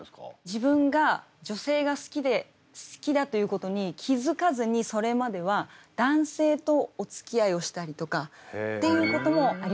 自分が女性が好きだということに気付かずにそれまでは男性とおつきあいをしたりとかっていうこともありました。